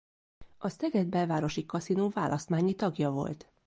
A Szeged-Belvárosi Kaszinó választmányi tagja volt.